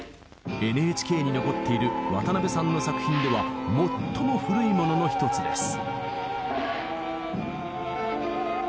ＮＨＫに残っている渡辺さんの作品では最も古いものの一つです。